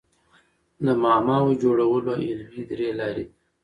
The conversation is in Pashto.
د معماوو جوړولو علمي درې لاري دي.